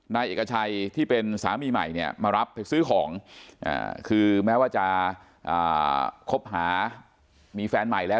นายเอกชัยที่เป็นสามีใหม่เนี่ยมารับไปซื้อของคือแม้ว่าจะคบหามีแฟนใหม่แล้ว